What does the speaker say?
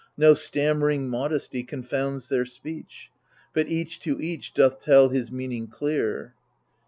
No stammering modesty confounds their speech. But each to each doth tell his meaning clear.